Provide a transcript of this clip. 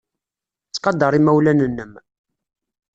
Ttqadar imawlan-nnem.